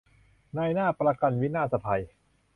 นายหน้าประกันวินาศภัย